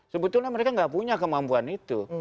sebetulnya mereka nggak punya kemampuan itu